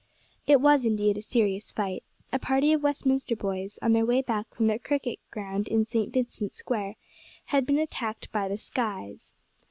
It was indeed a serious fight. A party of Westminster boys, on their way back from their cricket ground in St. Vincent's Square, had been attacked by the "skies."